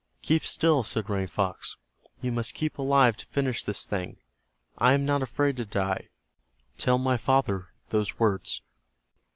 "Keep still," said Running Fox. "You must keep alive to finish this thing. I am not afraid to die. Tell my father those words."